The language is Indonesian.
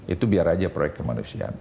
itu biar aja proyek kemanusiaan